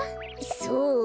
そう？